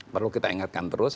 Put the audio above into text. perlu kita ingatkan terus